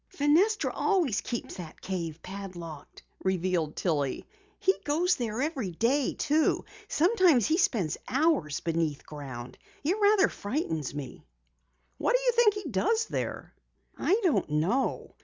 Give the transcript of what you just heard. "Fenestra always keeps the cave padlocked," revealed Tillie. "He goes there every day, too. Sometimes he spends hours beneath ground. It rather frightens me." "What do you think he does there?" "I don't know.